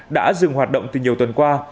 đã dừng hoạt động từ nhiều tuần qua